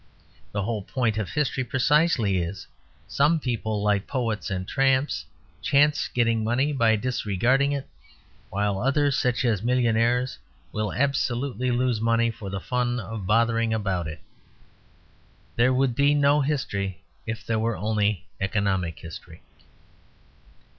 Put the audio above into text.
The whole point of history precisely is: some people (like poets and tramps) chance getting money by disregarding it, while others (such as millionaires) will absolutely lose money for the fun of bothering about it. There would be no history if there were only economic history.